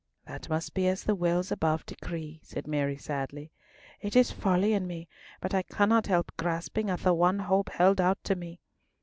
"That must be as the wills above decree," said Mary sadly. "It is folly in me, but I cannot help grasping at the one hope held out to me.